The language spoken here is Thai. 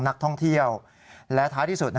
นักท่องเที่ยวและท้ายที่สุด